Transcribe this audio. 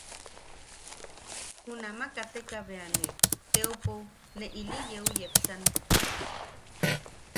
Junama kateka bea ne teopou ne ili yeu yepsan.